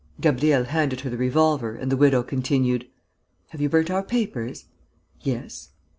Gabriel handed her the revolver and the widow continued: "Have you burnt our papers?" "Yes."